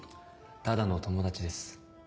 ただの友達です。